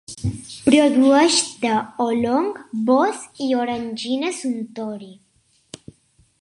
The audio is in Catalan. Produeix te oolong, Boss i Orangina Suntory.